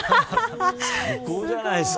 最高じゃないですか。